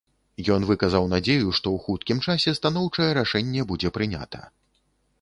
Ён выказаў надзею, што ў хуткім часе станоўчае рашэнне будзе прынята.